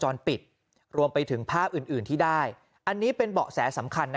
จรปิดรวมไปถึงภาพอื่นอื่นที่ได้อันนี้เป็นเบาะแสสำคัญนะ